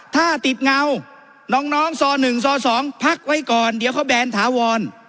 ถ้าติดเงาน้องซอ๑ซ๒พักไว้ก่อนเดี๋ยวเขาแบนถาวร